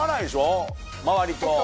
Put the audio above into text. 周りと。